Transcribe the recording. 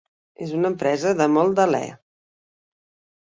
És una empresa de molt d'alè.